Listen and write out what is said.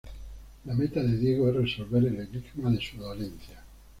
La meta de Diego es resolver el enigma de su dolencia.